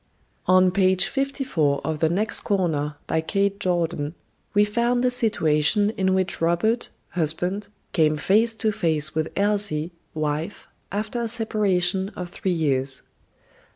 On page 54 of "The Next Corner," by Kate Jordan, we found the situation in which Robert, husband, came face to face with Elsie, wife, after a separation of three years.